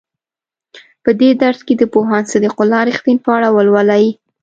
په دې درس کې د پوهاند صدیق الله رښتین په اړه ولولئ.